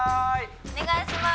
お願いします